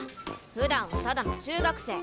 ふだんはただの中学生。